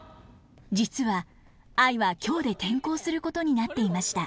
実は愛は今日で転校することになっていました。